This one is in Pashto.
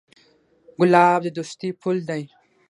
ګلاب د دوستۍ پُل دی.